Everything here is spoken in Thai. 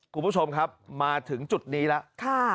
คุณผู้ชมครับมาถึงจุดนี้แล้ว